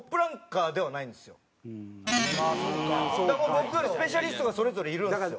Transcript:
僕よりスペシャリストがそれぞれいるんですよ。